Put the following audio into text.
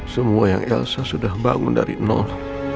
semua yang elsa sudah bangun dari nol